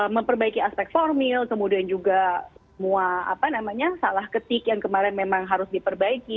memperbaiki aspek formil kemudian juga salah ketik yang kemarin memang harus diperbaiki